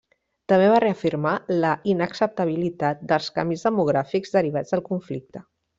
També va reafirmar la inacceptabilitat dels canvis demogràfics derivats del conflicte.